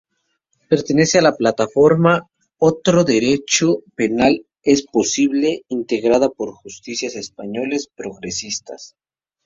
Pertenece a la plataforma "Otro Derecho Penal es Posible", integrada por juristas españoles progresistas.